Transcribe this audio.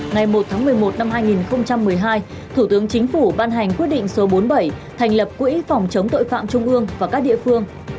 ngày một tháng một mươi một năm hai nghìn một mươi hai thủ tướng chính phủ ban hành quyết định số bốn mươi bảy thành lập quỹ phòng chống tội phạm trung ương và các địa phương